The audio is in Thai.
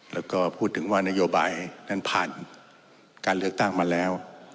แล้วก็พูดถึงว่านโยบายนั้นผ่านการเลือกตั้งมาแล้ว